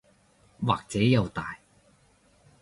或者又大